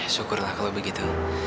syukurlah kalau begitu